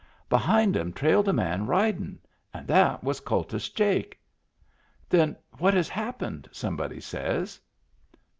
Behind *em trailed a man ridin\ and that was Kultus Jake. " Then what has happened ?" somebody says.